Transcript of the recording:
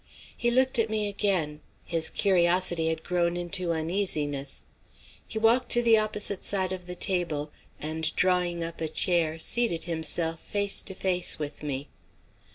He looked at me again, his curiosity had grown into uneasiness; he walked to the opposite side of the table, and drawing up a chair seated himself face to face with me.